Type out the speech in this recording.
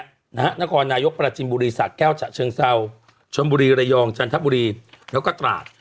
นะฮะนักรณายกประจิมบุรีศาสตร์แก้วชะเชิงเศร้าชมบุรีระยองจันทบุรีแล้วก็ตราด